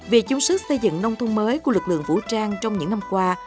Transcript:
vì chung sức xây dựng nông thôn mới của lực lượng vũ trang trong những năm qua